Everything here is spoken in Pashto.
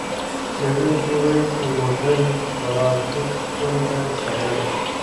څېړونکي وايي چې مُدرن خوراکي سیستم باید بدل شي.